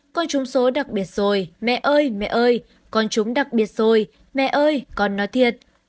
con trúng số đặc biệt rồi mẹ ơi mẹ ơi con trúng đặc biệt rồi mẹ ơi con nói thiệt